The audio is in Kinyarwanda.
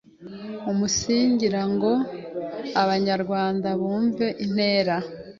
Umunsigira ngo Abanyarwanda bumve intera